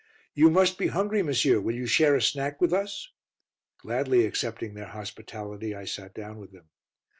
"You must be hungry, monsieur. Will you share a snack with us?" Gladly accepting their hospitality, I sat down with them.